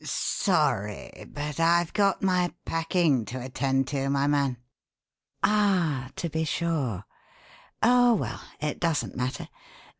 "Sorry, but I've got my packing to attend to, my man." "Ah, to be sure. Oh, well, it doesn't matter.